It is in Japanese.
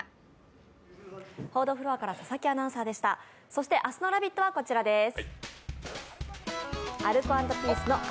そして明日の「ラヴィット！」はこちらです。